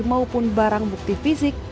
maupun barang bukti fisik